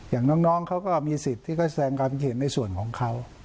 อย่างน้องเขาก็มีสิทธิ์ที่เขาแสดงความคิดเห็นในส่วนของเขา